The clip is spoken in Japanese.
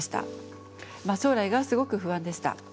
将来がすごく不安でした。